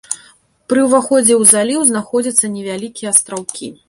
Пры ўваходзе ў заліў знаходзяцца невялікія астраўкі.